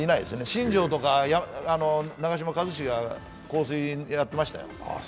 新庄とか長嶋一茂はやってましたよ。